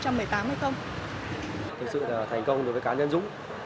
thực sự là thành công đối với cá nhân dũng